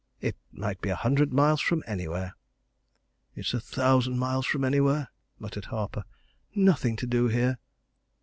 "It might be a hundred miles from anywhere." "It's a thousand miles from anywhere!" muttered Harper. "Nothing to do here!"